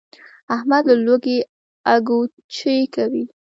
احمد له لوږې اګوچې کوي.